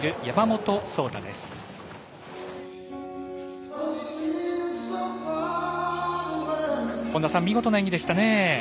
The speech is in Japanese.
本田さん、見事な演技でしたね。